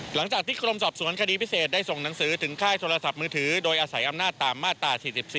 หลังจากที่กรมสอบสวนคดีพิเศษได้ส่งหนังสือถึงค่ายโทรศัพท์มือถือโดยอาศัยอำนาจตามมาตรา๔๔